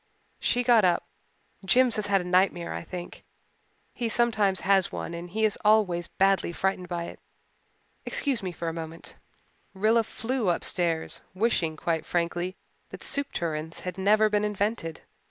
She got up. "Jims has had a nightmare, I think. He sometimes has one and he is always badly frightened by it. Excuse me for a moment." Rilla flew upstairs, wishing quite frankly that soup tureens had never been invented.